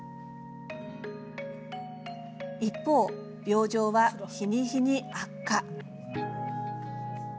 一方、病状は日に日に悪化。